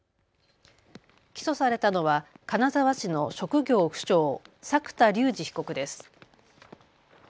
起訴されたのは金沢市の職業不詳、作田竜二被告です。